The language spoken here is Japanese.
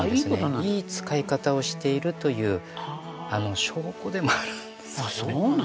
いい使い方をしているという証拠でもあるんですね。